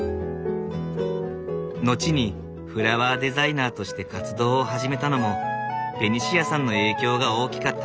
後にフラワーデザイナーとして活動を始めたのもベニシアさんの影響が大きかった。